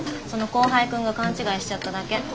その後輩君が勘違いしちゃっただけ。